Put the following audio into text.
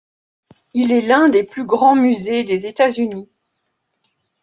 Il est l'un des plus grands musées des Etats-Unis.